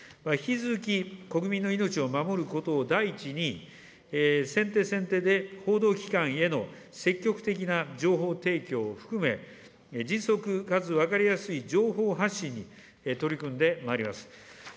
引き続き、国民の命を守ることを第一に、先手先手で報道機関への積極的な情報提供を含め、迅速かつ分かりやすい情報発信に取り組んでまいります。